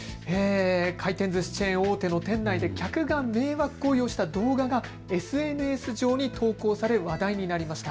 回転ずしチェーン大手の店内で客が迷惑行為をした動画がＳＮＳ上に投稿され話題になりました。